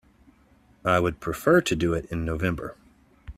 I would prefer to do it in November.